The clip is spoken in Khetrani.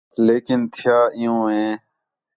لیکن تھیا عِیّوں ہِے